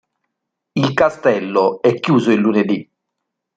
Il castello è chiuso il lunedì.